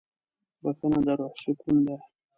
بښنه د روح سکون ده.